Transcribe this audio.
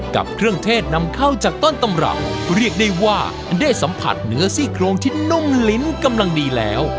กับเครื่องเทศนำเข้าจากต้นตำรับเรียกได้ว่าได้สัมผัสเนื้อซี่โครงที่นุ่มลิ้นกำลังดีแล้ว